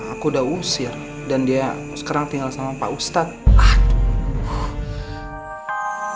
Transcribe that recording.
aku udah usir dan dia sekarang tinggal sama pak ustadz